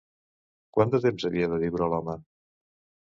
Quant de temps havia de viure l'home?